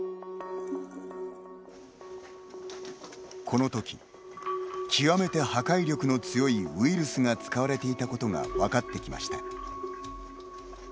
このとき、極めて破壊力の強いウイルスが使われていたことが分かってきました。